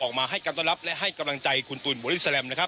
ออกมาให้การต้อนรับและให้กำลังใจคุณตูนบริสแลมนะครับ